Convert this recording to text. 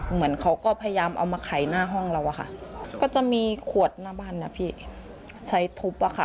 เหมือนเขาก็พยายามเอามาไขหน้าห้องเราอะค่ะก็จะมีขวดหน้าบ้านนะพี่ใช้ทุบอะค่ะ